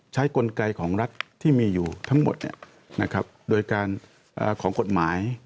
ใช้กลไกของรัฐที่มีอยู่ทั้งหมดเนี่ยนะครับโดยการเอ่อของกฎหมาย